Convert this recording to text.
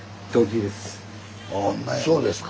そうですか。